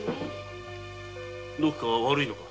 どこか悪いのか？